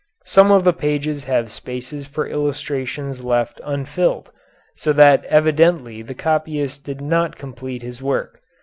Some of the pages have spaces for illustrations left unfilled, so that evidently the copyist did not complete his work.